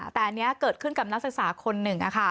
แต่อันนี้เกิดขึ้นกับนักศึกษาคนหนึ่ง